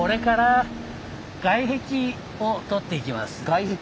外壁。